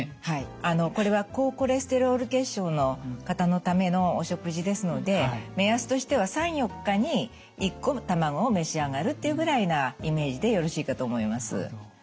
はいこれは高コレステロール血症の方のためのお食事ですので目安としては３４日に１個卵を召し上がるっていうぐらいなイメージでよろしいかと思います。